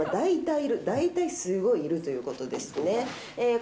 大体すごいいるということですね。